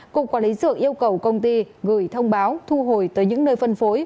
cục quản lý dược yêu cầu công ty gửi thông báo thu hồi tới những nơi phân phối